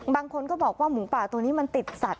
บางคนก็บอกว่าหมูป่าตัวนี้มันติดสัตว